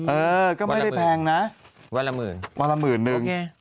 เออก็ไม่ได้แพงนะวันละหมื่นวันละหมื่นนึง